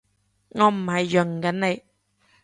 我唔係潤緊你